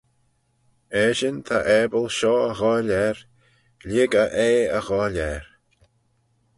Eshyn ta abyl shoh y ghoaill er, lhig eh eh y ghoaill er.